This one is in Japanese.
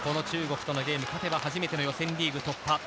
中国とのゲームに勝てば初めての予選リーグ突破。